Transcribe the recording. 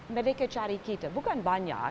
mereka cari kita bukan banyak